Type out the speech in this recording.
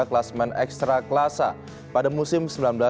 kelasmen ekstra klasa pada musim seribu sembilan ratus lima puluh enam